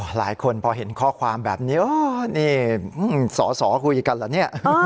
หลายคนพอเห็นข้อความแบบนี้นี่สอสอคุยกันเหรอเนี่ย